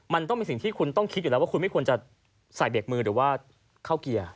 มันต้องเป็นสิ่งที่คุณต้องคิดอยู่แล้วว่าคุณไม่ควรจะใส่เบรกมือหรือว่าเข้าเกียร์